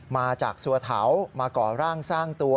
มาจากสัวเถามาก่อร่างสร้างตัว